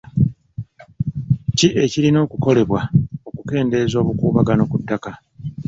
Ki ekirina okukolebwa okukendeeza obukuubagano ku ttaka?